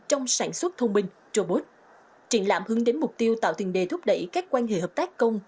và sản xuất thông minh triển lãm hướng đến mục tiêu tạo tình đề thúc đẩy các quan hệ hợp tác công